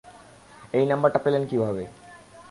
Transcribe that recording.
এই নাম্বারটা পেলেন কীভাবে?